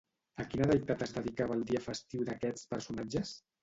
A quina deïtat es dedicava el dia festiu d'aquests personatges?